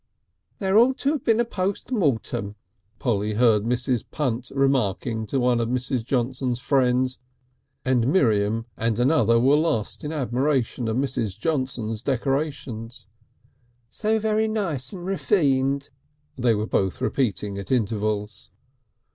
"There ought to have been a post mortem," Polly heard Mrs. Punt remarking to one of Mrs. Johnson's friends, and Miriam and another were lost in admiration of Mrs. Johnson's decorations. "So very nice and refined," they were both repeating at intervals.